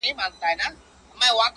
ټول اعمال یې له اسلام سره پیوند کړل؛